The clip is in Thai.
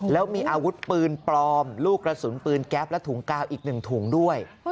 แล้วมีอาวุธปืนปลอมลูกกระสุนปืนแก๊ปและถุงกาวอีก๑ถุงด้วย